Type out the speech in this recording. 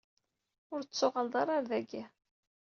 Ur d-tettuɣaleḍ ara ɣer dagi.